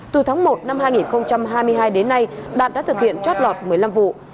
từ tháng một năm hai nghìn hai mươi hai đến nay đạt đã thực hiện trót lọt một mươi năm vụ